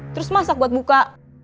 terus masak buat buka